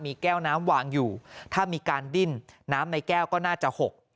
มีแก้วน้ำวางอยู่ถ้ามีการดิ้นน้ำในแก้วก็น่าจะหก